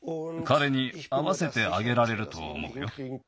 かれにあわせてあげられるとおもうよ。